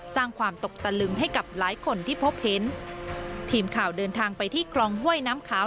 สร้างความตกตะลึงให้กับหลายคนที่พบเห็นทีมข่าวเดินทางไปที่คลองห้วยน้ำขาว